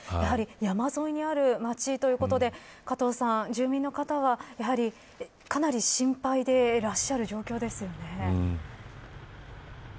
山沿いにある町ということで加藤さん、住民の方はやはりかなり心配でいらっしゃるそうですね。